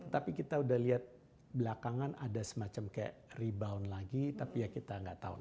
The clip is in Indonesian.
tapi kita sudah lihat belakangan ada semacam rebound lagi tapi ya kita enggak tahu nih